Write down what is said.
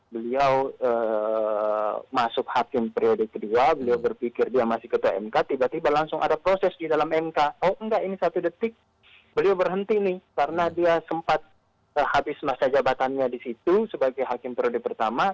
beliau masuk hakim periode kedua beliau berpikir dia masih ketua mk tiba tiba langsung ada proses di dalam mk oh enggak ini satu detik beliau berhenti nih karena dia sempat habis masa jabatannya di situ sebagai hakim periode pertama